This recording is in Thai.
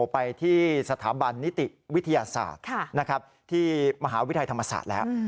ไปที่สถาบันนิติวิทยาศาสตร์ที่มหาวิทยาลัยธรรมศาสตร์แล้ว